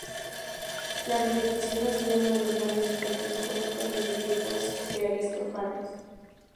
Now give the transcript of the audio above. La repetición ha sido uno de los grandes efectos cómicos desde tiempos de Aristófanes.